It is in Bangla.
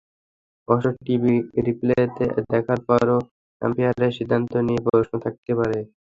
অবশ্য টিভি রিপ্লেতে দেখার পরও আম্পায়ারের সিদ্ধান্ত নিয়ে প্রশ্ন থাকতে পারে।